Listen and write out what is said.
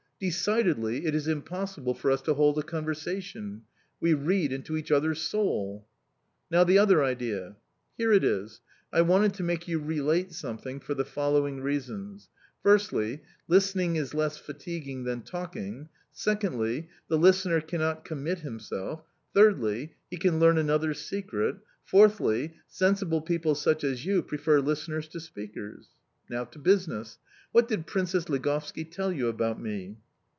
Decidedly it is impossible for us to hold a conversation! We read into each other's soul." "Now the other idea?"... "Here it is: I wanted to make you relate something, for the following reasons: firstly, listening is less fatiguing than talking; secondly, the listener cannot commit himself; thirdly, he can learn another's secret; fourthly, sensible people, such as you, prefer listeners to speakers. Now to business; what did Princess Ligovski tell you about me?"